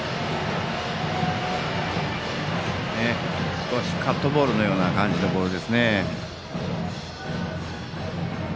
少しカットボールのようなボールですね。